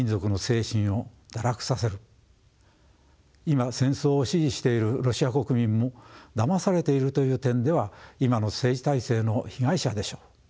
今戦争を支持しているロシア国民もだまされているという点では今の政治体制の被害者でしょう。